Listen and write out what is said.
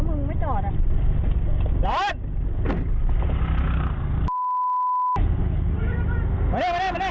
มานี่มานี่มานี่